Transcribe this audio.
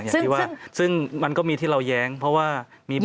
อย่างที่ว่าซึ่งมันก็มีที่เราแย้งเพราะว่ามี